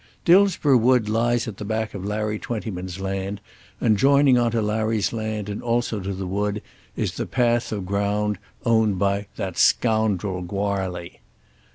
Dillsborough Wood lies at the back of Larry Twentyman's land, and joining on to Larry's land and also to the wood is the patch of ground owned by "that scoundrel Goarly."